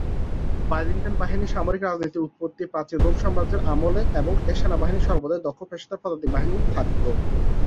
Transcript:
Byzantine বাহিনীর সামরিক রীতিনীতির উৎপত্তি প্রাচীন রোমান সাম্রাজ্যের আমলে এবং এর সেনাবাহিনীতে সর্বদাই দক্ষ পেশাদার পদাতিক বাহিনী থাকত।